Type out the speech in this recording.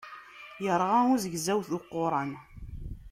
Irɣa uzegzaw d uquran.